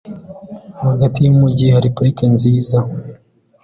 Hagati yumujyi hari parike nziza .